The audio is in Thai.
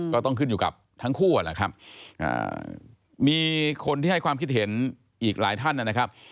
ก็ต้องขึ้นอยู่กับทั้งคู่นะครับมีคนที่ให้ความคิดเห็นอีกหลายท่านนะครับ